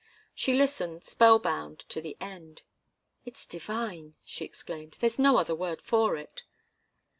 She listened, spell bound, to the end. "It's divine!" she exclaimed. "There's no other word for it."